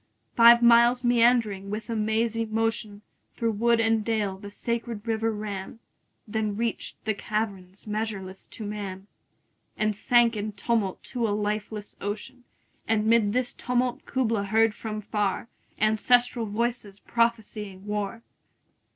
Five miles meandering with a mazy motion 25 Through wood and dale the sacred river ran, Then reach'd the caverns measureless to man, And sank in tumult to a lifeless ocean: And 'mid this tumult Kubla heard from far Ancestral voices prophesying war!